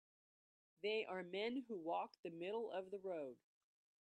They are men who walk the middle of the road.